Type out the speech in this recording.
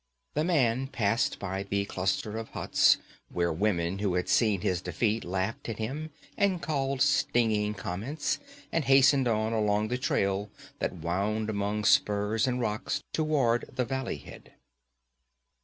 The man passed by the cluster of huts, where women who had seen his defeat laughed at him and called stinging comments, and hastened on along the trail that wound among spurs and rocks toward the valley head.